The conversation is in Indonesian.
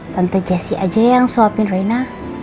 tante jessi aja yang suapin reina